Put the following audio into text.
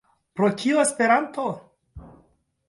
Pro kio Esperanto?